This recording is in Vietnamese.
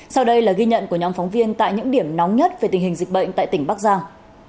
sau đây là ghi nhận của nhóm phóng viên tại những điểm nóng nhất về tình hình dịch bệnh tại tỉnh bắc giang